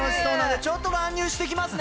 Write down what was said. ちょっと乱入してきますね。